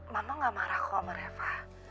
mama gak marah kok sama reva